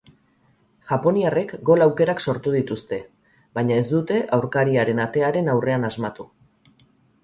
Japoniarrek gol aukerak sortu dituzte, baina ez dute aurkariaren atearen aurrean asmatu.